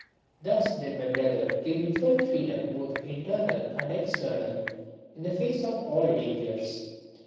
Thus did my brother give me full freedom both internal and external in the face of all dangers.